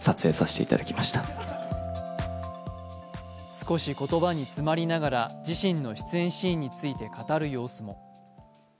少し言葉に詰まりながら自身の出演シーンについて語る様子も。